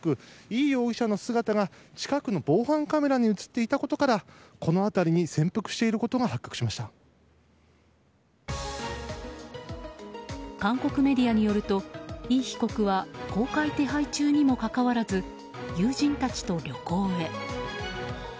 イ容疑者の姿が近くの防犯カメラに映っていたことからこの辺りに潜伏していたことが韓国メディアによるとイ被告は公開手配中にもかかわらず友人たちと旅行へ。